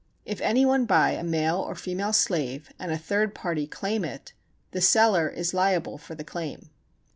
If any one buy a male or female slave, and a third party claim it, the seller is liable for the claim.